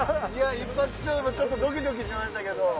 一発勝負ちょっとドキドキしましたけど。